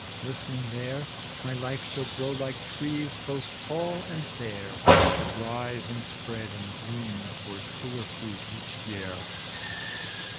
Listening tliere, My life shall grow like trees both tall and fair That rise and spread and bloom toward MIer fruit each year."